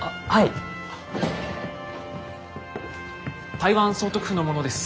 台湾総督府の者です。